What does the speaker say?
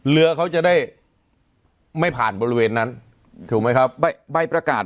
เรือเขาจะได้ไม่ผ่านบริเวณนั้นถูกไหมครับใบประกาศ